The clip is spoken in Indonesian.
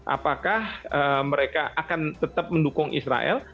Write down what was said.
apakah mereka akan tetap mendukung israel